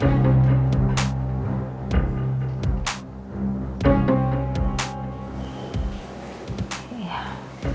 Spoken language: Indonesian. saya bener bener butuh bantuan kamu nay